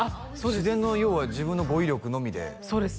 自然の要は自分の語彙力のみでそうです